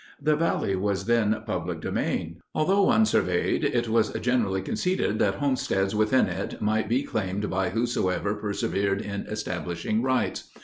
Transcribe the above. The valley was then public domain. Although unsurveyed, it was generally conceded that homesteads within it might be claimed by whosoever persevered in establishing rights.